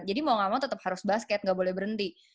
jadi mau gak mau tetap harus basket gak boleh berhenti